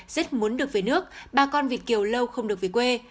rất muốn được về nước ba con vịt kiều lâu không được về quê